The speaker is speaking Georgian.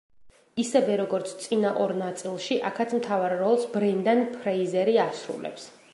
ისევე როგორც, წინა ორ ნაწილში, აქაც მთავარ როლს ბრენდან ფრეიზერი ასრულებს.